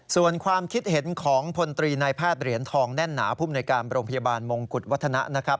ส่วนความคิดเห็นของพลตรีนายแพทย์เหรียญทองแน่นหนาภูมิในการโรงพยาบาลมงกุฎวัฒนะนะครับ